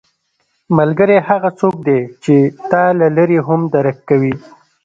ملګری هغه څوک دی چې تا له لرې هم درک کوي